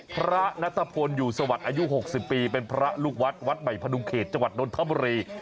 พระนัตภพลอยู่สวรรค์อายุหกสิบปีเป็นพระลูกวัดวัดใหม่พระดุงเขตจังหวัดดนทมรี